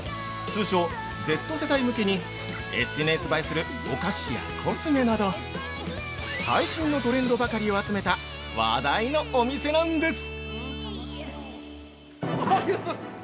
通称Ｚ世代向けにＳＮＳ映えするお菓子やコスメなど最新のトレンドばかりを集めた話題のお店なんです。